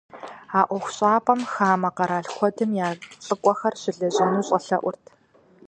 А ӏуэхущӏапӏэм хамэ къэрал куэдым я лӀыкӀуэхэр щылэжьэну щӀэлъэӀурт.